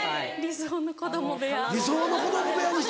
理想の子供部屋。